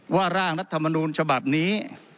ว่าร่างรัฐธรรมนูนฉบับนี้